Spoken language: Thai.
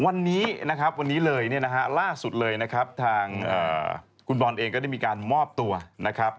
วันนี้นะครับวันนี้เลยเนี่ยนะฮะล่าสุดเลยนะครับทางคุณบอลเองก็ได้มีการมอบตัวนะครับ